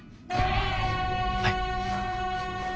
はい。